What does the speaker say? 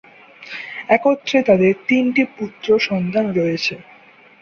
একত্রে তাদের তিনটি পুত্রসন্তান রয়েছে।